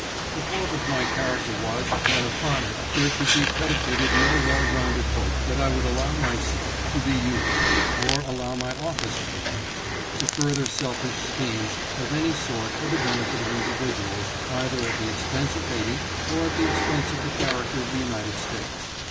The fault of my character was that upon it there could be predicated no well grounded hope that I would allow myself to be used, or allow my office to be used, to further selfish schemes of any sort for the bene fit of individuals, either at the expense of Haiti or at the expense of the character of the United States.